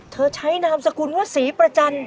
เธอใช้นามสกุลว่าศรีประจัน